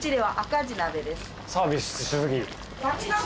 サービスし過ぎ。